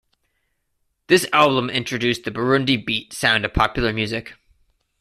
This album introduced the "Burundi beat" sound to popular music.